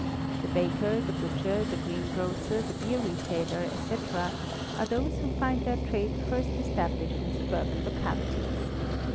The baker, the butcher, the greengrocer, the beer retailer, &c., are those who find their trade first established in suburban localities.